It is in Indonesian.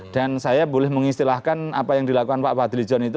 dan saya boleh mengistilahkan apa yang dilakukan pak fadlijon itu